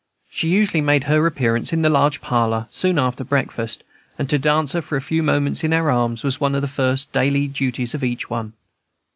She usually made her appearance in the large parlor soon after breakfast; and to dance her for a few moments in our arms was one of the first daily duties of each one.